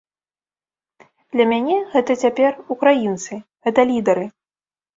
Для мяне гэта цяпер украінцы, гэта лідары.